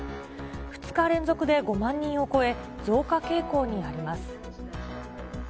２日連続で５万人を超え、増加傾向にあります。